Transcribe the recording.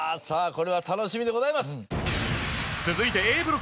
さぁこれは楽しみでございます。